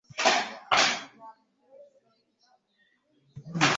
wakwemera ndamutse mfunze idirishya? mfite ubukonje buke